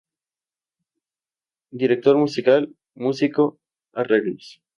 Director Musical, Músico, Arreglos.